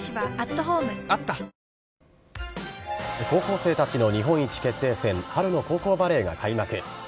高校生たちの日本一決定戦、春の高校バレーが開幕。